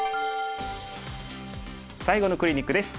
最後のクリニックです。